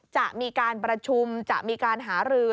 จะมีการประชุมจะมีการหารือ